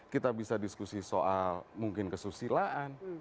kita bisa diskusi soal mungkin kesusilaan